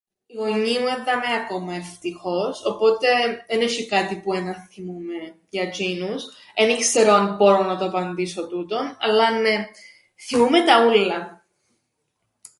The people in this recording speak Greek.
Οι γονιοί μου εν' δαμαί ακόμα ευτυχώς, οπότε εν έσ̆ει κάτι που εν αθθυμούμαι για τζ̆είνους, εν ι-ξέρω αν μπορώ να το απαντήσω τούτον, αλλά νναι θθυμούμαι τα ούλλα.